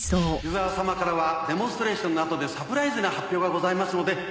「湯沢様からはデモンストレーションのあとでサプライズな発表がございますので」